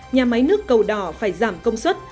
nhà máy nước cầu đỏ phải giảm công suất